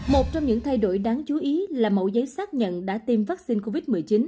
một trong những thay đổi đáng chú ý là mẫu giấy xác nhận đã tiêm vaccine covid một mươi chín